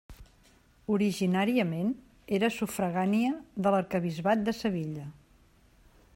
Originàriament era sufragània de l'arquebisbat de Sevilla.